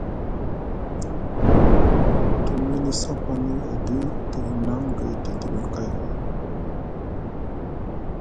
Te mini sapani edi, te hinaŋ gay didiɓi kay.